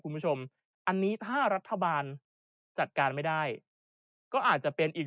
คุณผู้ชมอันนี้ถ้ารัฐบาลจัดการไม่ได้ก็อาจจะเป็นอีก